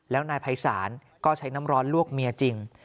แล้วนายภัยศาลก็ใช้น้ำร้อนลวกเมียจริง